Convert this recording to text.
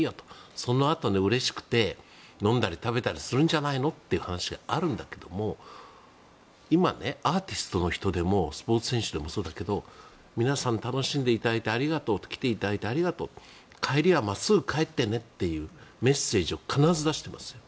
そのあとに、うれしくて飲んだり食べたりするんじゃないかという話があるんだけども今、アーティストの人でもスポーツ選手でもそうだけど皆さん楽しんでいただいてありがとう来ていただいてありがとう帰りは真っすぐ帰ってねというメッセージを必ず出していますよ。